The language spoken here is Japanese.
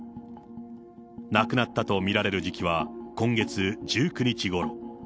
亡くなったと見られる時期は今月１９日ごろ。